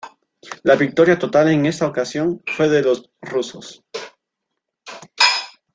La victoria total en esta ocasión, fue de los rusos.